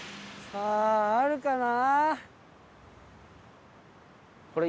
さああるかな？